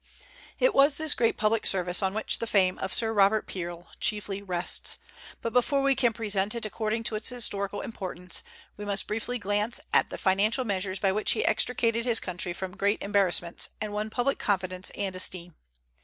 It was this great public service on which the fame of Sir Robert Peel chiefly rests; but before we can present it according to its Historical importance, we must briefly glance at the financial measures by which he extricated his country from great embarrassments, and won public confidence and esteem.